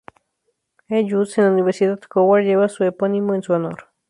E. Just en la Universidad Howard lleva su epónimo en su honor.